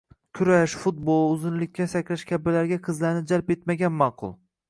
Kurash, futbol, uzunlikka sakrash kabilarga qizlarni jalb etmagan ma’qul.